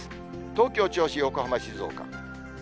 東京、銚子、横浜、静岡。